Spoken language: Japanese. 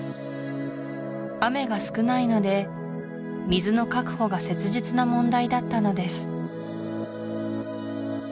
雨が少ないので水の確保が切実な問題だったのです